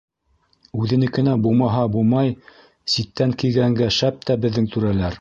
Үҙенекенә бумаһа, бумай, ситтән кигәнгә шәп тә беҙҙең түрәләр.